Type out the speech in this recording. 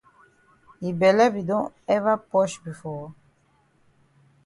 Yi bele be don ever posh before?